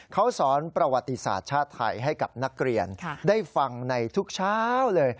เขาสอนประวัติศาสตร์ชาติไทยให้กับนักเรียนได้ฟังในทุกเช้าเลย